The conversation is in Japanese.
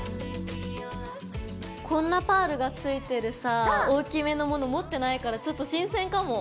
こんなパールがついてるさぁ大きめのもの持ってないからちょっと新鮮かも。